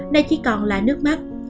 nay chỉ còn là nước mắt